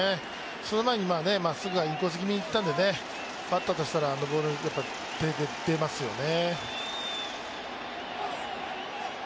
その前にまっすぐがインコース気味にいったんで、バッターとしたらあのボール手が出ますよね。